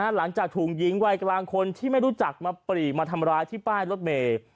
หลังจากถูกหญิงวัยกลางคนที่ไม่รู้จักมาปรีมาทำร้ายที่ป้ายรถเมย์